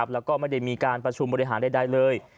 แล้วก็ไม่ได้มีการประชุมบริหารใดเลย